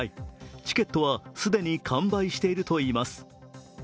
チケットは既に完売しているといいます。